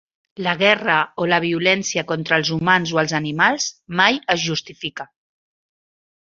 La guerra o la violència contra els humans o els animals mai es justifica.